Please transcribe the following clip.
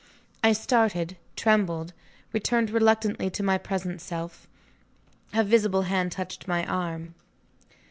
I started, trembled, returned reluctantly to my present self. A visible hand touched my arm.